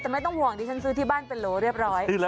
แต่ไม่ต้องห่วงดิฉันซื้อที่บ้านเป็นโหลเรียบร้อย